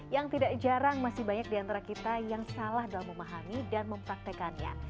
yang tidak jarang masih banyak di antara kita yang salah dalam memahami dan mempraktekannya